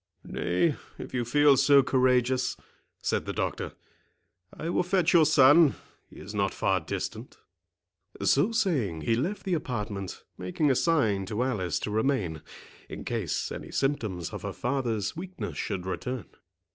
"Nay, if you feel so courageous," said the doctor, "I will fetch your son—he is not far distant." So saying, he left the apartment, making a sign to Alice to remain, in case any symptoms of her father's weakness should return.